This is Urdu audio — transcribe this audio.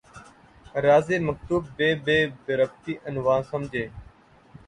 رازِ مکتوب بہ بے ربطیٴ عنواں سمجھا